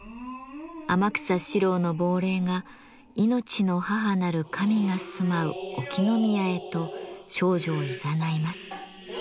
天草四郎の亡霊がいのちの母なる神が住まう沖宮へと少女をいざないます。